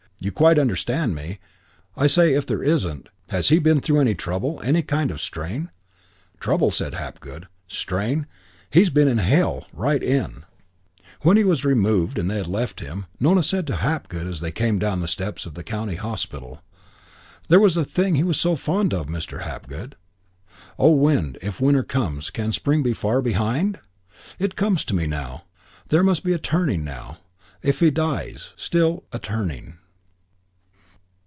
You quite understand me. I say if there isn't.... Has he been through any trouble, any kind of strain? "Trouble," said Hapgood. "Strain. He's been in hell right in." When he was removed and they had left him, Nona said to Hapgood as they came down the steps of the County Hospital, "There was a thing he was so fond of, Mr. Hapgood: "...O Wind, If Winter comes, can Spring be far behind? "It comes to me now. There must be a turning now. If he dies ... still, a turning."